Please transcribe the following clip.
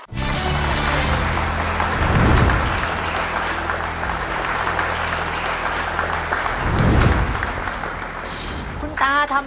ขอเชิญปูชัยมาตอบชีวิตเป็นคนต่อไปครับ